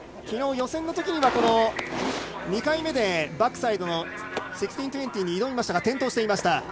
昨日、予選のときは２回目でバックサイドの１６２０に挑みましたが転倒していました。